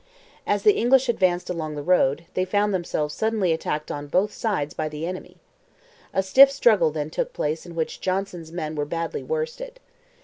As the English advanced along the road, they found themselves suddenly attacked on both sides by the enemy. A stiff struggle then took place in which Johnson's men were badly worsted.